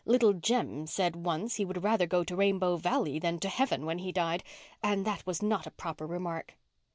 "Little Jem said once he would rather go to Rainbow Valley than to heaven when he died, and that was not a proper remark."